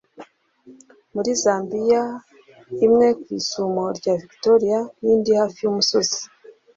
muri zambiya, imwe ku isumo rya victoria n'indi hafi y'umusozi